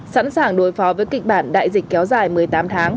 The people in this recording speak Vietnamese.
sẵn sàng đối phó với kịch bản đại dịch kéo dài một mươi tám tháng